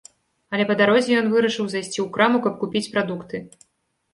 Але па дарозе ён вырашыў зайсці ў краму, каб купіць прадукты.